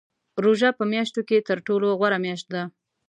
روژه په میاشتو کې تر ټولو غوره میاشت ده .